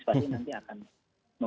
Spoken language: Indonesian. pasti nanti akan memiliki